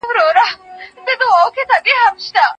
ده وويل چې دا هېټلر دی.